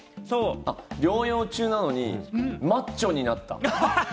療養中なのにマッチョになった。